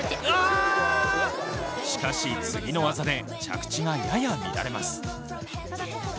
しかし次の技で着地がやや乱れます。